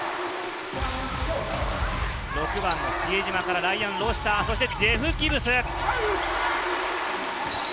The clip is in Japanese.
６番の比江島からロシター、そしてジェフ・ギブス。